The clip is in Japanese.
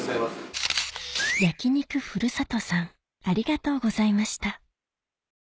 焼肉ふるさとさんありがとうございました